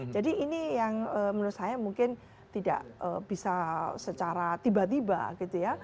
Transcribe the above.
jadi ini yang menurut saya mungkin tidak bisa secara tiba tiba gitu ya